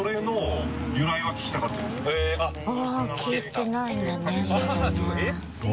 聞いてないんだねまだね。